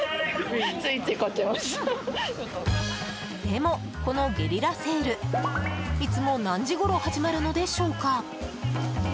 でも、このゲリラセールいつも、何時ごろ始まるのでしょうか？